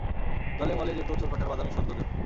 দলে-মলে যেত চোরকাঁটার বাদামি সৌন্দর্য।